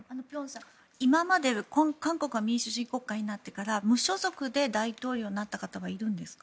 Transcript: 今まで、韓国が民主主義国家になってから無所属で大統領になった方はいるんですか？